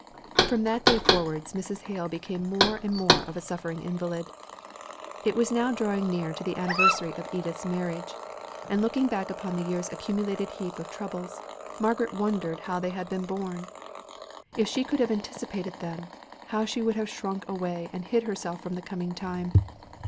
From that day forwards Mrs. Hale became more and more of a suffering invalid. It was now drawing near to the anniversary of Edith's marriage, and looking back upon the year's accumulated heap of troubles, Margaret wondered how they had been borne. If she could have anticipated them, how she would have shrunk away and hid herself from the coming time!